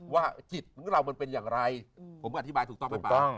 ว่าจิตเรามันเป็นอย่างไรผมอธิบายถูกต้องหรือเปล่า